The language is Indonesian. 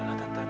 udah lah tante